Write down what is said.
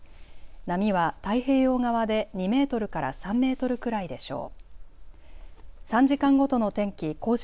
波は太平洋側で２メートルから３メートルくらいでしょう。